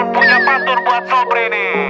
punya pantur buat sabri